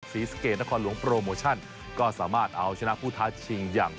ศรีสะเกดนครหลวงโปรโมชั่นก็สามารถเอาชนะผู้ท้าชิงอย่าง